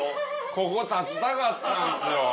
ここ立ちたかったんですよ。